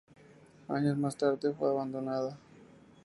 Años más tarde fue abandonada.